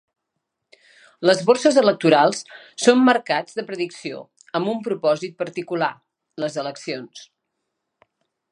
Les borses electorals són mercats de predicció amb un propòsit particular: les eleccions.